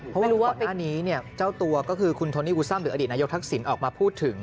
เพราะว่าก่อนหน้านี้เจ้าตัวก็คือคุณโทนี่อูซัมหรืออดีตนายกทักษิณออกมาพูดถึง